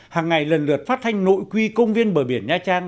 hàng ngày lần lượt phát thanh nội quy công viên bờ biển nha trang